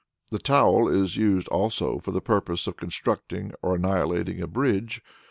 The towel is used, also, for the purpose of constructing or annihilating a bridge.